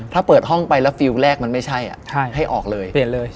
ถ้าเปิดห้องไปแล้วฟีลแรกมันไม่ใช่ให้ออกเลย